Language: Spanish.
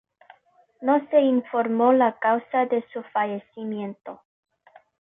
No se informó la causa de su fallecimiento.